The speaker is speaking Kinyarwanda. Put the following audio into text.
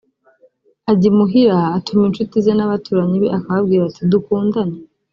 ajya imuhira atumira incuti ze n’abaturanyi be akababwira ati dukundane